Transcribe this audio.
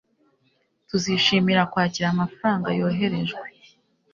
Tuzishimira kwakira amafaranga yoherejwe